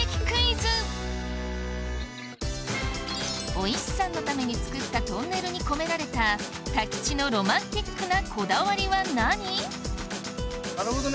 お石さんのために作ったトンネルに込められた太吉のロマンティックなこだわりは何？